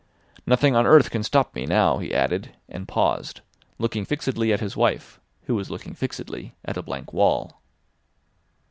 "Nothing on earth can stop me now," he added, and paused, looking fixedly at his wife, who was looking fixedly at a blank wall.